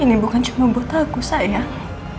ini bukan cuma buat aku sayang